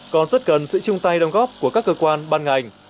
còn rất cần sự chung tay đồng góp của các cơ quan ban ngành